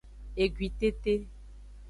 Egwitete.